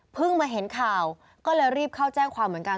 มาเห็นข่าวก็เลยรีบเข้าแจ้งความเหมือนกัน